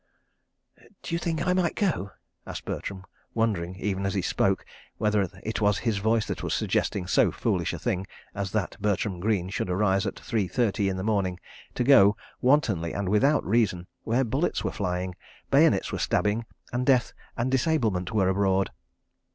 "D'you think I might go?" asked Bertram, wondering, even as he spoke, whether it was his voice that was suggesting so foolish a thing as that Bertram Greene should arise at three thirty in the morning to go, wantonly and without reason, where bullets were flying, bayonets were stabbing, and death and disablement were abroad.